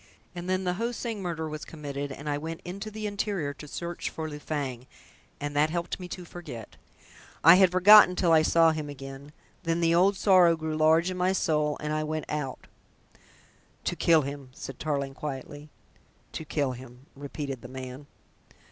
And then the Ho Sing murder was committed, and I went into the interior to search for Lu Fang, and that helped me to forget. I had forgotten till I saw him again. Then the old sorrow grew large in my soul, and I went out " "To kill him," said Tarling quietly. "To kill him," repeated the man.